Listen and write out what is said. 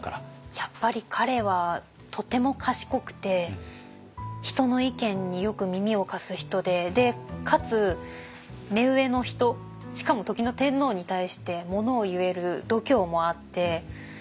やっぱり彼はとても賢くて人の意見によく耳を貸す人でかつ目上の人しかも時の天皇に対してものを言える度胸もあって。